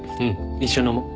一緒に飲もう。